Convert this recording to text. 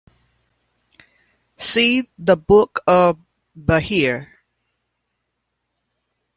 See The Book of Bahir.